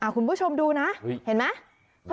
คุณผู้ชมดูนะเห็นไหม